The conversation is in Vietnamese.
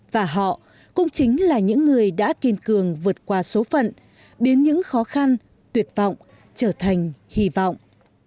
và họ cũng chính là những người đã kiên cường vượt qua số phận biến những khó khăn tuyệt vọng trở thành hy vọng